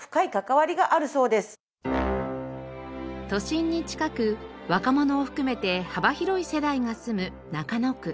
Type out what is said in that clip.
都心に近く若者を含めて幅広い世代が住む中野区。